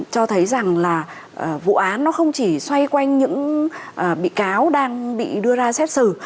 cho thấy rằng là vụ án nó không chỉ xoay quanh những bị cáo đang bị đưa ra xét xử